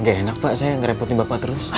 gak enak pak saya nge reputin bapak terus